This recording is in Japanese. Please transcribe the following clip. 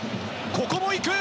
ここもいく！